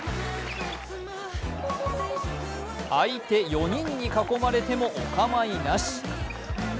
相手４人に囲まれてもお構いなし。